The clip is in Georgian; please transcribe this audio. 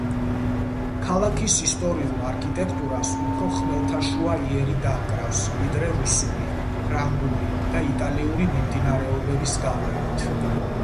ქალაქის ისტორიულ არქიტექტურას უფრო ხმელთაშუა იერი დაჰკრავს ვიდრე რუსული, ფრანგული და იტალიური მიმდინარეობების გავლენით.